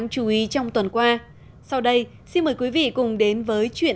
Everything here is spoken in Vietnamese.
cung cấp nhiều hơn